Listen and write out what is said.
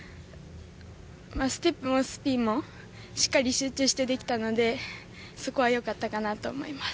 まあステップもスピンもしっかり集中してできたのでそこはよかったかなと思います。